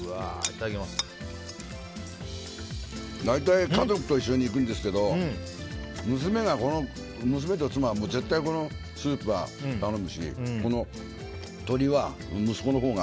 だいたい家族と一緒に行くんですけど娘と妻は絶対このスープは頼むしこの鶏は息子のほうが。